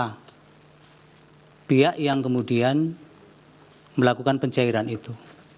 karena pihak yang kemudian melakukan pencairan itu